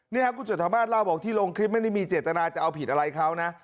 นี่ครับคุณจัฐมาสเล่าบอกที่ลงคลิปไม่ได้มีเจตนาจะเอาผิดอะไรเขานะ